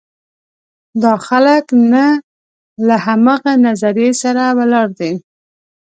دا خلک نه له همغه نظریې سره ولاړ دي.